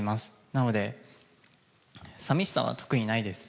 なので、さみしさは特にないです。